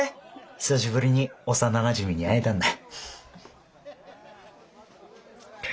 久しぶりに幼なじみに会えたんだ。